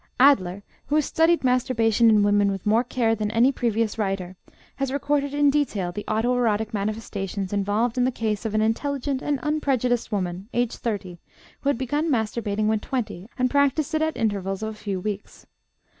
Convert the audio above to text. Adler, who has studied masturbation in women with more care than any previous writer, has recorded in detail the auto erotic manifestations involved in the case of an intelligent and unprejudiced woman, aged 30, who had begun masturbating when twenty, and practiced it at intervals of a few weeks.